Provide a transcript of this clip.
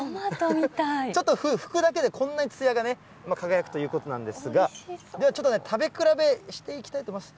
ちょっと拭くだけで、こんなにつやがね、輝くということなんですが、ちょっとね、食べ比べしていきたいと思います。